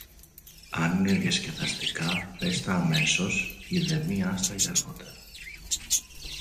Αν είναι διασκεδαστικά, πες τα αμέσως, ειδεμή άστα για αργότερα.